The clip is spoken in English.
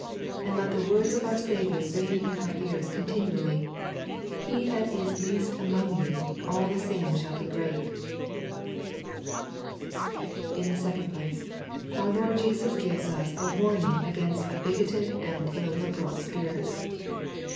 And let the words of our Saviour ring in our ears continually, " He that is least among you all the same shall be greaf In the second place, our Lord Jesus Christ gives us a warning against a bigoted and illiberal spirit.